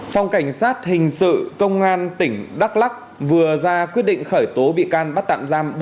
phòng cảnh sát hình sự công an tỉnh đắk lắc vừa ra quyết định khởi tố bị can bắt tạm giam